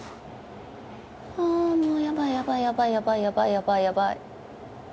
あもうヤバいヤバいヤバいヤバいヤバいヤバい。